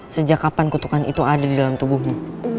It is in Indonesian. sejak kapan kutukan itu ada di dalam tubuhmu